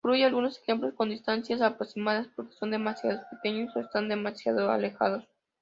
Incluye algunos ejemplos con distancias aproximadas porque son demasiado pequeños o están demasiado alejados.